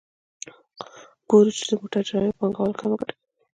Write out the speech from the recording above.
ګورو چې د موټر جوړونې پانګوال کمه ګټه کوي